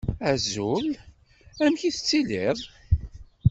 Azul. Amek i tettiliḍ?